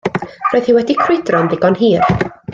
Roedd hi wedi crwydro'n ddigon hir.